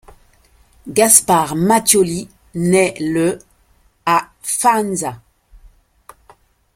Gaspare Mattioli naît le à Faenza.